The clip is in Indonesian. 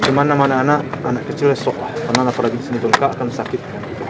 cuma anak anak kecilnya sok lah karena apalagi di sini pun akan sakit